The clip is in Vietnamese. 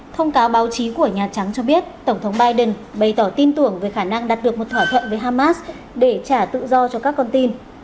thông cáo báo chí của nhà trắng cho biết tổng thống biden bày tỏ tin tưởng về khả năng đạt được một thỏa thuận với hamas để trả tự do cho các con tin